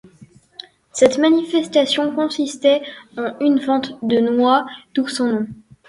Cette manifestation consistait en une vente de noix, d’où son nom.